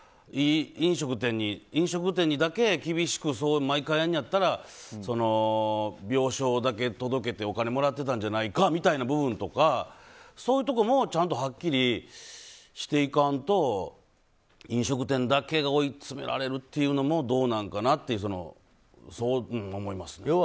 飲食店にだけ厳しく毎回やるんやったら病床だけ届けてお金もらってたんじゃないかという部分とかそういうとこもはっきりしていかんと飲食店だけが追いつめられるっていうのもどうなのかなって思いますね。